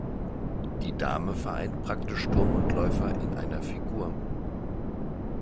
Die Dame vereint praktisch Turm und Läufer in einer Figur.